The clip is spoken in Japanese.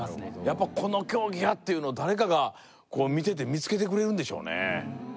やっぱこの競技やっていうの誰かがこう見てて見つけてくれるんでしょうね